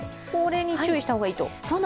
これに注意した方がいいと？